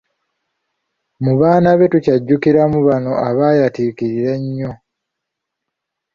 Mu baana be tukyajjukiramu bano abaayatiikirira ennyo.